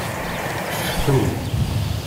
Ftu.